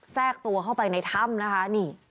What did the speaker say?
แตกตัวเข้าไปในถ้ำนะคะ